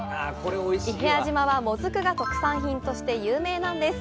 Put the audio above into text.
伊平屋島は、もずくが特産品として有名なんです。